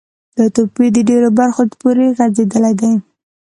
دا توپیر د ډیرو برخو پوری غځیدلی دی.